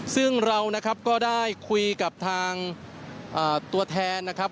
ซึ่งเรานะครับก็ได้คุยกับทางตัวแทนนะครับ